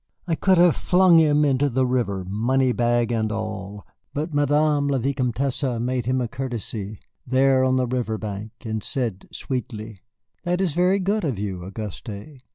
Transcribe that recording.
I could have flung him into the river, money bag and all. But Madame la Vicomtesse made him a courtesy there on the levee bank, and said sweetly: "That is very good of you, Auguste."